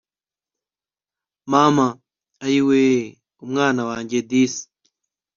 mama ayiweee! umwana wanjye disi